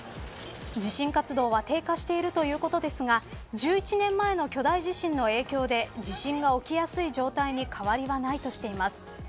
地震活動は低下しているということですが１１年前の巨大地震の影響で地震が起きやすい状況に変わりはないとしています。